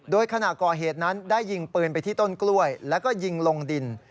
โดยขณะก่อเหตุนั้นได้ยิงปืนไปที่ต้นกล้วยแล้วก็ยิงลงดิน